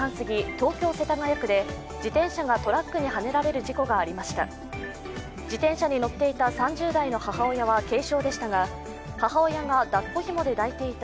東京・世田谷区で自転車がトラックにはねられる事故がありました。